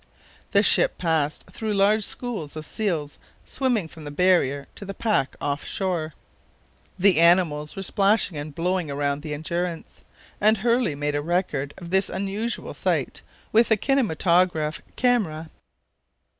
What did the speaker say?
The ship passed through large schools of seals swimming from the barrier to the pack off shore. The animals were splashing and blowing around the Endurance, and Hurley made a record of this unusual sight with the kinematograph camera.